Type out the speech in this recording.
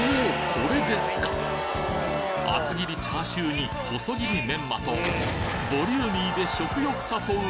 これですか厚切りチャーシューに細切りメンマとボリューミーで食欲誘う